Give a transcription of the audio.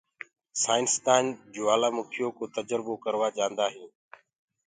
سآئينسدآن جوآلآ مِکيو ڪو تجربو ڪورآ جآندآ هينٚ